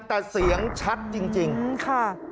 แต่เสียงชัดจริงค่ะ